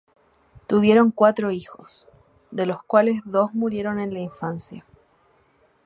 Tuvieron cuatro hijos, de los cuales dos murieron en la infancia.